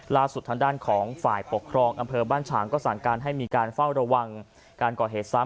ล่าสุดทางด้านของฝ่ายปกครองอำเภอบ้านฉางก็สั่งการให้มีการเฝ้าระวังการก่อเหตุซ้ำ